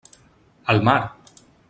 Al mar!